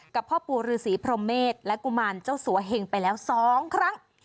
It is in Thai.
พ่อปู่ฤษีพรหมเมษและกุมารเจ้าสัวเหงไปแล้ว๒ครั้ง